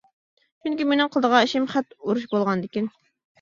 چۈنكى مېنىڭ قىلىدىغان ئىشىم خەت ئۇرۇش بولغاندىكىن.